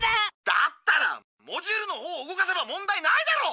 だったらモジュールのほうを動かせば問題ないだろ！